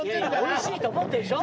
おいしいと思ってるでしょ？